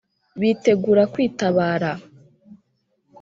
Bitegura kwitabara.